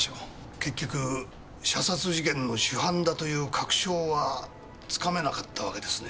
結局射殺事件の主犯だという確証はつかめなかったわけですね。